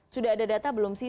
sudah ada data belum sih